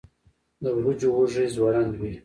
د وریجو وږی ځوړند وي.